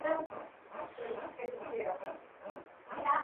The date of his priestly ordination is unknown.